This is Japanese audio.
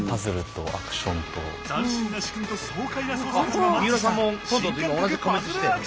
斬新な仕組みと爽快な操作感がマッチした新感覚パズルアクション。